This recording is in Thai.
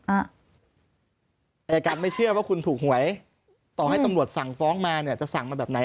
อายการไม่เชื่อว่าคุณถูกหวยต่อให้ตำรวจสั่งฟ้องมาเนี่ยจะสั่งมาแบบไหน